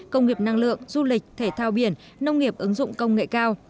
công nghiệp năng lượng du lịch thể thao biển nông nghiệp ứng dụng công nghệ cao